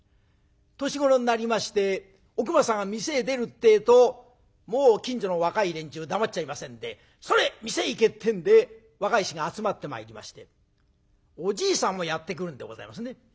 年頃になりましておくまさんが店へ出るってえともう近所の若い連中黙っちゃいませんでそれ店へ行けってんで若い衆が集まってまいりましておじいさんもやって来るんでございますね。